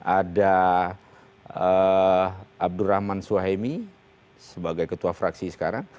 ada abdurrahman suhaimi sebagai ketua fraksi sekarang